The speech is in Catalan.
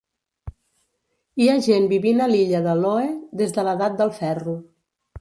Hi ha gent vivint a l'illa de Looe des de l'edat del ferro.